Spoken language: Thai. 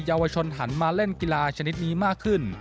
ยาวชนหันมาเล่นกีฬาชนิดนี้มากขึ้น